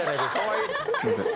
「すいません。